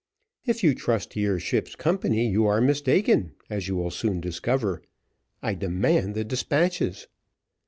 "If you trust to your ship's company you are mistaken, as you will soon discover. I demand the despatches."